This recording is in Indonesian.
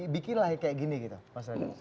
bikinlah kayak gini gitu pak sardar